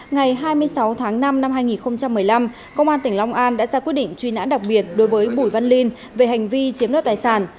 ngày hai mươi sáu tháng năm năm hai nghìn một mươi năm công an tỉnh long an đã ra quyết định truy nã đặc biệt đối với bùi văn linh về hành vi chiếm đoạt tài sản